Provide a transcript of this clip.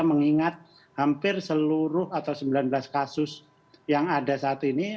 mengingat hampir seluruh atau sembilan belas kasus yang ada saat ini